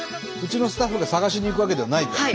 うちのスタッフが探しに行くわけではないと。